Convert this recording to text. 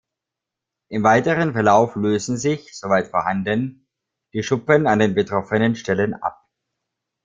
Im weiteren Verlauf lösen sich, soweit vorhanden, die Schuppen an den betroffenen Stellen ab.